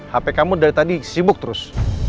hp kamu dari tadi sibuk terus